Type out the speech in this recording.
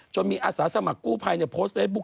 มีอาสาสมัครกู้ภัยโพสต์เฟซบุ๊